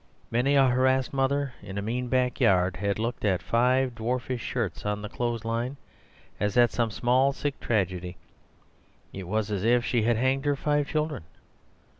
Many a harassed mother in a mean backyard had looked at five dwarfish shirts on the clothes line as at some small, sick tragedy; it was as if she had hanged her five children.